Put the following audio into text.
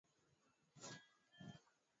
Miaka ya elfu moja na mia nne uko nchini Uingereza